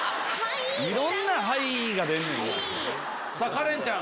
カレンちゃん